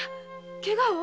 ケガを？